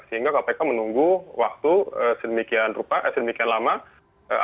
sehingga kpk menunggu waktu sedemikian lama agar aktor lainnya bisa diumumkan itu yang kami harapkan sebetulnya